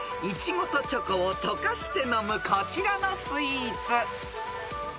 ［イチゴとチョコをとかして飲むこちらのスイーツ］